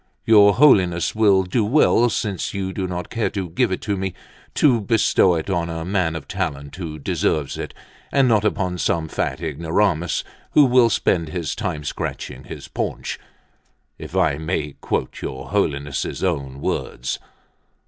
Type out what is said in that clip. Your Holiness will do well, since you do not care to give it me, to bestow it on a man of talent who deserves it, and not upon some fat ignoramus who will spend his time scratching his paunch, if I may quote your holiness' own words.